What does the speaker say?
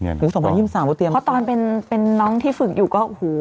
นี่นี่สองพันยี่สิบสามพอเตรียมเพราะตอนเป็นเป็นน้องที่ฝึกอยู่ก็หู